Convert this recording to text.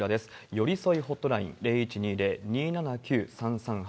よりそいホットライン、０１２０ー２７９ー３３８。